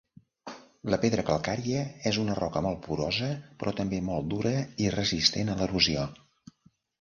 La pedra calcària és una roca molt porosa, però també molt dura i resistent a l'erosió.